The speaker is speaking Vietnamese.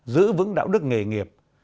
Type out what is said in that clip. giữ vững đạo đức nghề nghiệp